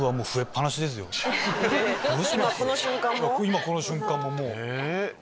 今この瞬間ももう。